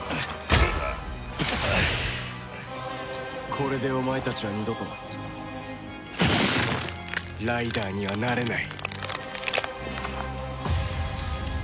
これでお前たちは二度とライダーにはなれない。